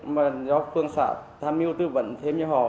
và do phương xã tham mưu tư vấn thêm như họ